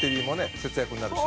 節約になるし。